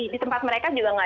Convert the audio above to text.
di tempat mereka juga